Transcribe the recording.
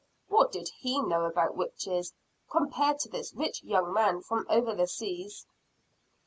What did he know about witches compared to this rich young man from over the seas?